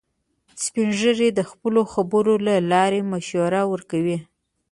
سپین ږیری د خپلو خبرو له لارې مشوره ورکوي